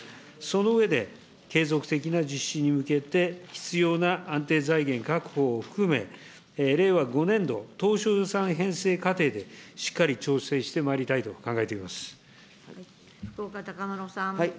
その上で、継続的な実施に向けて必要な安定財源確保を含め、令和５年度当初予算編成過程で、しっかり調整してまいりたいと考福岡資麿さん。